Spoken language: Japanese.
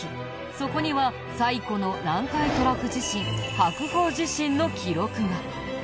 そこには最古の南海トラフ地震白鳳地震の記録が。